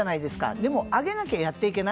でも、上げなきゃやっていけない。